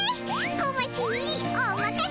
こまちにおまかせ。